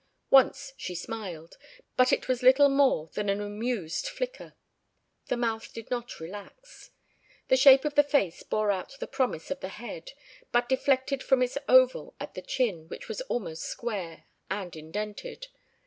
Once she smiled, but it was little more than an amused flicker; the mouth did not relax. The shape of the face bore out the promise of the head, but deflected from its oval at the chin, which was almost square, and indented.